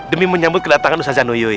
demi menyambut kedatangan ustazah nuyuy